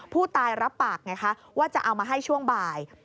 ผู้ตายรับปากไงคะว่าจะเอามาให้ช่วงบ่าย